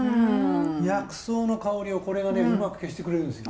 薬草の香りをこれがうまく消してくれるんですよ。